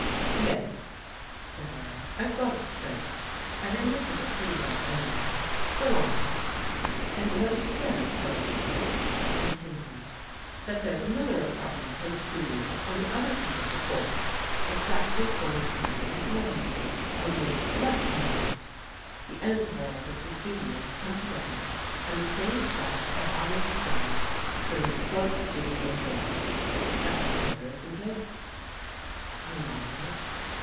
" Yes," said I, " I've got it straight. I remem bered it pretty well anyway. Go on." " And you understand, don't you," he continued, " that there's another apartment and studio on the other side of the court exactly corresponding to mine, 32 THE UNSEEN VISITOR only left handed. The end walls of the studios come together and the same flight of iron stairs serves both studio doors. That's clear, isn't it? " I nodded.